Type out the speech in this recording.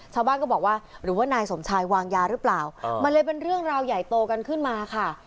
ชาวบ้านก็บอกว่าหรือว่านายสมชายวางยาหรือเปล่ามันเลยเป็นเรื่องราวใหญ่โตกันขึ้นมาค่ะ